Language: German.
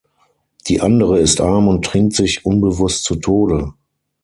Die andere ist arm und trinkt sich unbewusst zu Tode.